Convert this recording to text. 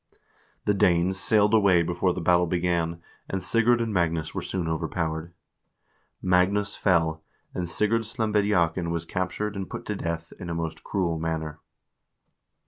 The Danes sailed away before the battle began, and Sigurd and Magnus were soon overpowered. Magnus fell, and Sigurd Slembediakn was captured and put to death in a most cruel manner.